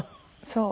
そう。